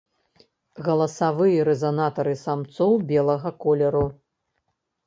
Галасавыя рэзанатары самцоў белага колеру.